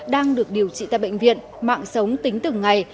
đang được điều trị tại bệnh viện mạng sống tính từng ngày